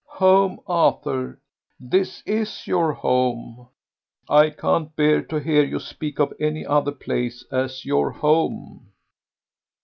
"Home, Arthur! this is your home. I can't bear to hear you speak of any other place as your home."